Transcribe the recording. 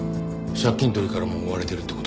借金取りからも追われてるって事ですね。